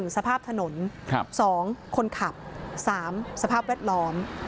สภาพถนน๒คนขับ๓สภาพแวดล้อม